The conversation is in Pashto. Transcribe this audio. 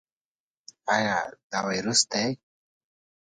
ایا دا وایروس دی؟